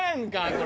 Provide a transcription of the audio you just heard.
これ。